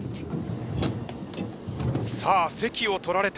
さあ席を取られた。